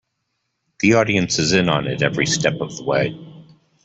The audience is in on it every step of the way.